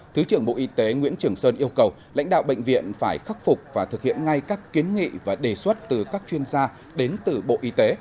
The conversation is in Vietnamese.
thứ trưởng bộ y tế nguyễn trường sơn yêu cầu lãnh đạo bệnh viện phải khắc phục và thực hiện ngay các kiến nghị và đề xuất từ các chuyên gia đến từ bộ y tế